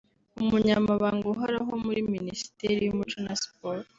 Umunyamabanga uhoraho muri Minisiteri y' umuco na Siporo